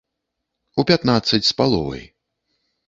У пятнаццаць з паловай.